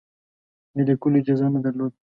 د لیکلو اجازه نه درلوده.